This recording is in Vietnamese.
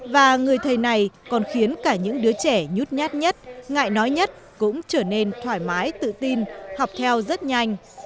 và người thầy này còn khiến cả những đứa trẻ nhút nhát nhất ngại nói nhất cũng trở nên thoải mái tự tin học theo rất nhanh